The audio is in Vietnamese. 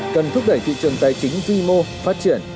cần thúc đẩy thị trường tài chính quy mô phát triển